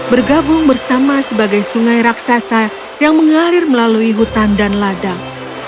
bergabung bersama sebagai sungai raksasa yang mengalir melalui hutan dan ladang